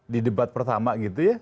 di debat pertama gitu ya